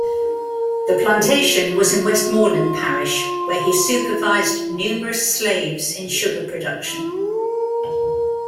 The plantation was in Westmoreland Parish, where he supervised numerous slaves in sugar production.